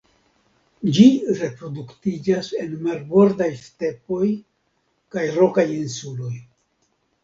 Ĝi reproduktiĝas en marbordaj stepoj kaj rokaj insuloj.